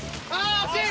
惜しい！